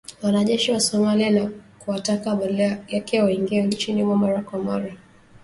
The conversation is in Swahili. wanajeshi wa Somalia na kuwataka badala yake waingie nchini humo mara kwa mara